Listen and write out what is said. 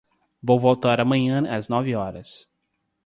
Vou voltar amanhã às nove horas.